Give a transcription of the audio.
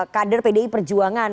kader pdi perjuangan